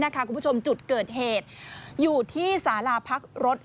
คุณผู้ชมจุดเกิดเหตุอยู่ที่สาราพักรถ